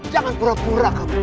jangan pura pura kamu